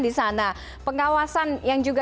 di sana pengawasan yang juga